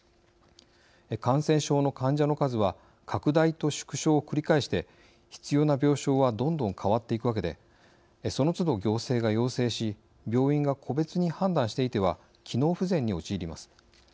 感染症の患者の数は拡大と縮小を繰り返して必要な病床はどんどん変わっていくわけでその都度、行政が要請し病院が個別に判断していては機能不全に陥ります。